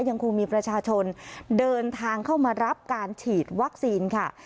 ยังคงมีประชาชนเดินทางเข้ามารับการฉีดวัคซีนค่ะ